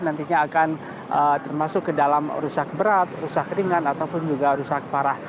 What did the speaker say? nantinya akan termasuk ke dalam rusak berat rusak ringan ataupun juga rusak parah